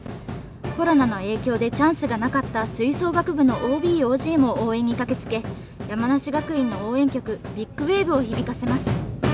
コロナの影響でチャンスがなかった吹奏楽部のＯＢ・ＯＧも応援に駆けつけ山梨学院の応援曲「ＢＩＧＷＡＶＥ」を響かせます。